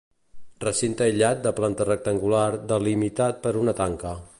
Recinte aïllat de planta rectangular delimitat per una tanca.